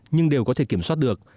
nhưng đều có thể kiểm soát được